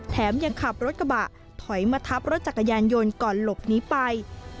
ยังขับรถกระบะถอยมาทับรถจักรยานยนต์ก่อนหลบหนีไป